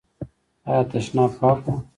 ایا تشناب پاک و؟